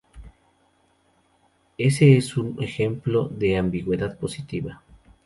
Ese es un ejemplo de ambigüedad positiva.